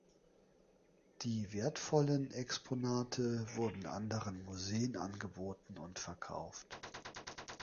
Die wertvollen Exponate wurden anderen Museen angeboten und verkauft.